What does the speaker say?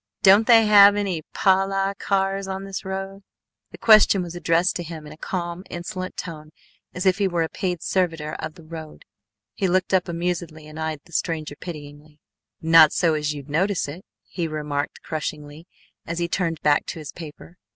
"Don't they have any pahlah cars on this road?" The question was addressed to him in a calm, insolent tone as if he were a paid servitor of the road. He looked up amusedly and eyed the stranger pitingly: "Not so as you'd notice it," he remarked crushingly as he turned back to his paper.